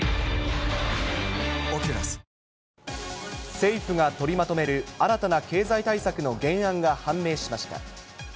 政府が取りまとめる新たな経済対策の原案が判明しました。